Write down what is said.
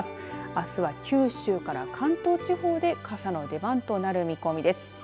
あすは、九州から関東地方で傘の出番となる見込みです。